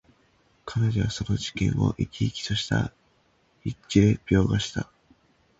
彼女はその事件を、生き生きとした筆致で描写した。